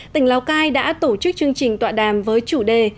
tỉnh lào cai đã tổ chức chương trình tọa đàm với chủ đề